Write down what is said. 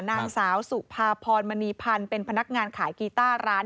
นางสาวสุภาพรมณีพันธ์เป็นพนักงานขายกีต้าร้าน